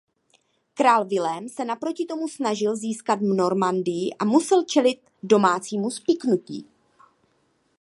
Král Vilém se naproti tomu snažil získat Normandii a musel čelit domácímu spiknutí.